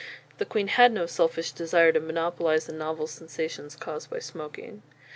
The Queen had no selfish desire to monopolize the novel sensations caused by smoking.